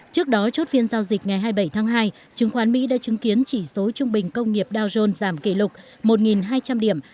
trước đó chốt phiên giao dịch ngày hai mươi bảy tháng hai chứng khoán mỹ đã chứng kiến chỉ số trung bình công nghiệp dow jones giảm kỷ lục một hai trăm linh điểm